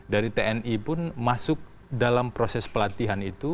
dari tni pun masuk dalam proses pelatihan itu